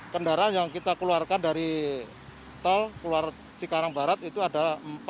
kendaraan yang kita keluarkan dari tol cikarang barat itu ada empat ratus delapan puluh empat